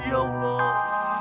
terima kasih ya allah